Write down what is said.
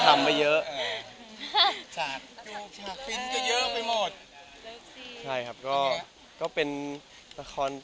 คิดว่ามีตักไม้ไกลง่าย